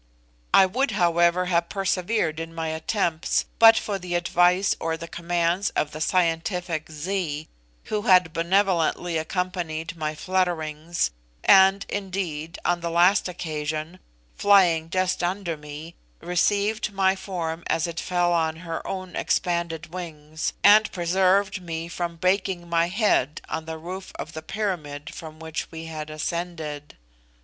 I would, however, have persevered in my attempts, but for the advice or the commands of the scientific Zee, who had benevolently accompanied my flutterings, and, indeed, on the last occasion, flying just under me, received my form as it fell on her own expanded wings, and preserved me from breaking my head on the roof of the pyramid from which we had ascended.